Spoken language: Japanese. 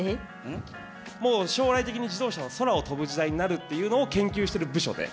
もう将来的に自動車は空を飛ぶ時代になるっていうのを研究してる部署で。